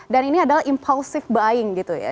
dan ini adalah impulsif buying gitu ya